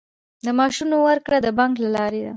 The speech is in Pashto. د معاشونو ورکړه د بانک له لارې ده